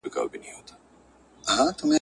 پر کنډوالو به دي ښارونه کړو ودان وطنه `